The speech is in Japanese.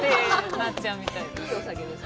なっちゃうみたいです。